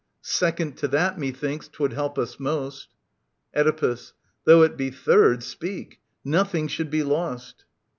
Second to that, methinks, 'twould help us most ... Oedipus. Though it be third, speak 1 Nothing should be lost.